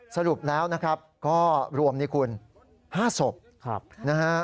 สรุปแล้วนะครับก็รวมนี่คุณ๕ศพนะฮะ